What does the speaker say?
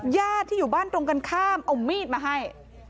ญาติที่อยู่บ้านตรงกันข้ามเอามีดมาให้